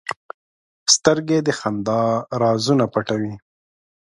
سترګې د خندا رازونه پټوي